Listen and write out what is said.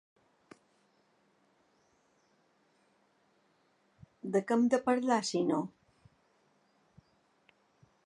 De què hem de parlar, si no?